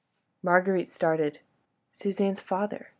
..." Marguerite started. Suzanne's father!